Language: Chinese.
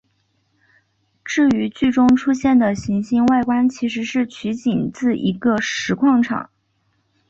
至于剧中出现的行星外观其实是取景自一个石矿场。